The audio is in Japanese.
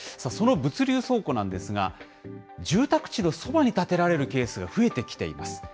その物流倉庫なんですが、住宅地のそばに建てられるケースが増えてきています。